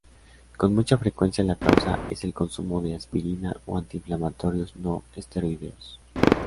Con mucha frecuencia la causa es el consumo de aspirina o antiinflamatorios no esteroideos.